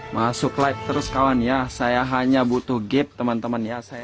masuk live terus kawan ya saya hanya butuh gip teman teman ya